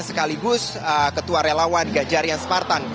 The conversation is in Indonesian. sekaligus ketua relawan gajarian spartan